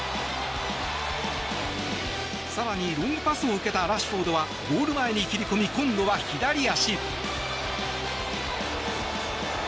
更に、ロングパスを受けたラッシュフォードはゴール前に切り込み今度は左足。